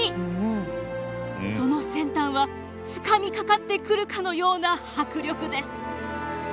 その先端はつかみかかってくるかのような迫力です。